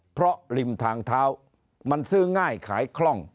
เพราะริมทางเท้ามันซื้อง่ายขายคล่อง